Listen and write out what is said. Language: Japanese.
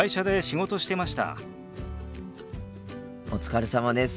お疲れさまです。